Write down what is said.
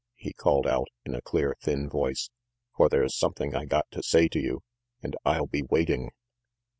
he called ou in a clear, thin voice, "for there's something I got to say to you, and I'll be waiting."